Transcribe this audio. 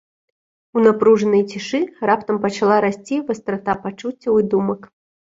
У напружанай цішы раптам пачала расці вастрата пачуццяў і думак.